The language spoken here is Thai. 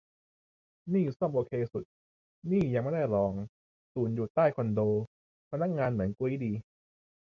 นี่ซ่อมโอเคสุด นี่ยังไม่ได้ลอง ศูนย์อยู่ใต้คอนโด พนักงานเหมือนกุ๊ยดี